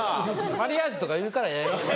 マリアージュとか言うからややこしい。